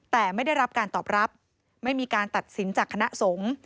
แต่ไม่ได้รับการตอบรับไม่มีการตัดสินจากคณะสงฆ์